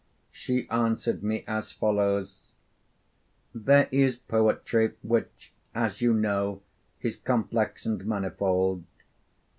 She answered me as follows: 'There is poetry, which, as you know, is complex and manifold.